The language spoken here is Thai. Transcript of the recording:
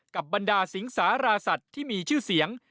บรรดาสิงสาราสัตว์ที่มีชื่อเสียง